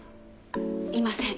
いません。